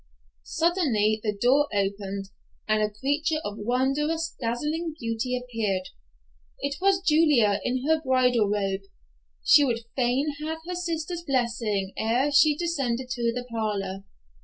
Suddenly the door opened and a creature of wondrous, dazzling beauty appeared. It was Julia, in her bridal robe. She would fain have her sister's blessing ere she descended to the parlor.